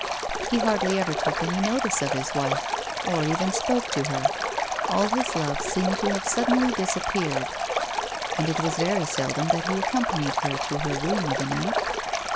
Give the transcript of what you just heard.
He hardly ever took any notice of his wife, or even spoke to her ; all his love seemed to have suddenly disappeared, and it was 82 A WOMAN'S LIFE. very seldom that he accompanied her to her room of a uight.